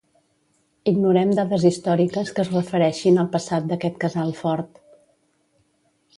Ignorem dades històriques que es refereixin al passat d'aquest casal fort.